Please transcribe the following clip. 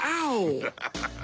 ウハハハ。